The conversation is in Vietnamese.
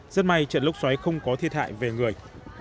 rất may trận lốc xoáy không có thiệt hại về người